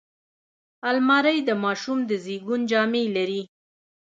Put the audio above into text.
الماري د ماشوم د زیږون جامې لري